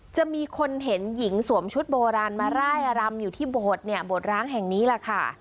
จะมีคนเห็นหญิงสวมชุดโบราณมาร่ายรำอยู่ที่โบสถ์เนี่ยโบสร้างแห่งนี้แหละค่ะ